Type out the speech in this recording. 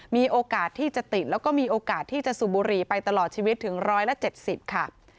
มีโอกาสที่จะติดแล้วก็มีโอกาสที่จะสูบบุหรี่ไปตลอดชีวิตถึง๑๗๐ค่ะ